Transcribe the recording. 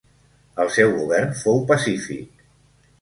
El seu govern fou pacífic.